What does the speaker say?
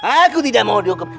aku tidak mau dihukum